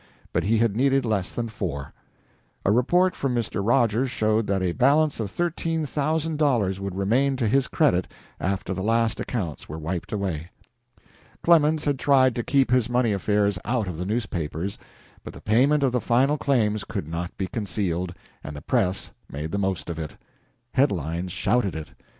But he had needed less than four. A report from Mr. Rogers showed that a balance of thirteen thousand dollars would remain to his credit after the last accounts were wiped away. Clemens had tried to keep his money affairs out of the newspapers, but the payment of the final claims could not be concealed, and the press made the most of it. Head lines shouted it.